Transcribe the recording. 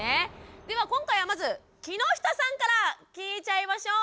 では今回はまず木下さんから聞いちゃいましょう。